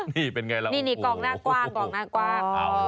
นี่เป็นอย่างไรแล้วโอ้โหโอ้โฮ